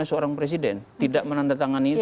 seorang presiden tidak menandatangani itu